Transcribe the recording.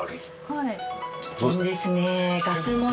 はい。